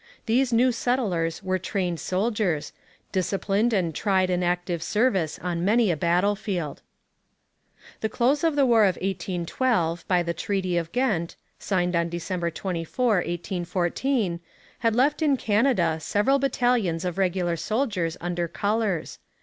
These new settlers were trained soldiers, disciplined and tried in active service on many a battlefield. The close of the War of 1812 by the Treaty of Ghent, signed on December 24,1814, had left in Canada several battalions of regular soldiers under colours.